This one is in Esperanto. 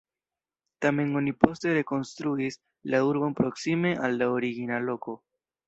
Tamen oni poste rekonstruis la urbon proksime al la origina loko.